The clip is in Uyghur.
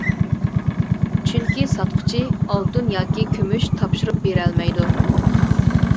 چۈنكى ساتقۇچى ئالتۇن ياكى كۈمۈش تاپشۇرۇپ بېرەلمەيدۇ.